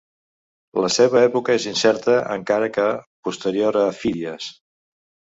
La seva època és incerta encara que posterior a Fídies.